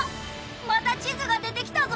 またちずがでてきたぞ！？